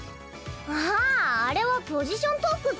あああれはポジショントークっス。